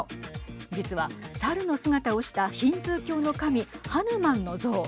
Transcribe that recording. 実は猿の姿をしたヒンズー教の神ハヌマンの像。